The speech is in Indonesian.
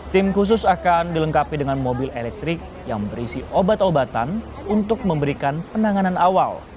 tim khusus akan dilengkapi dengan mobil elektrik yang berisi obat obatan untuk memberikan penanganan awal